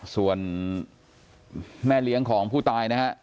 ส่วนแม่เลี้ยงของผู้ตายนะฮะ